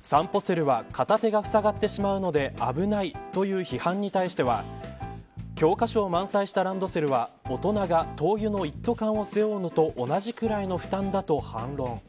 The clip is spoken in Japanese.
さんぽセルは片手がふさがってしまうので危ないという批判に対しては教科書を満載したランドセルは大人が灯油の一斗缶を背負うのと同じくらいの負担だと反論。